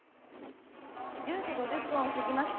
１０時５０分をすぎました。